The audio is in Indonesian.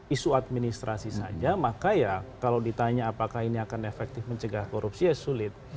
isu administrasi saja maka ya kalau ditanya apakah ini akan efektif mencegah korupsi ya sulit